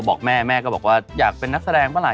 บอกแม่แม่ก็บอกว่าอยากเป็นนักแสดงเมื่อไห